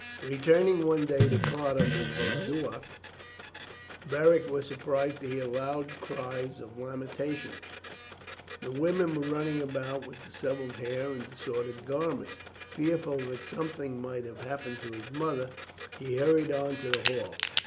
Returning one day to Cardun with Boduoc, Beric was surprised to hear loud cries of lamentation. The women were running about with dishevelled hair and disordered garments. Fearful that something might have happened to his mother, he hurried on to the hall.